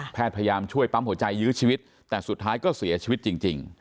พยายามช่วยปั๊มหัวใจยื้อชีวิตแต่สุดท้ายก็เสียชีวิตจริง